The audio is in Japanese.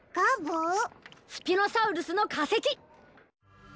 スピノサウルスのかせき！